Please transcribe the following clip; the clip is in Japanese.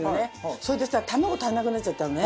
それでさ卵足りなくなっちゃったのね。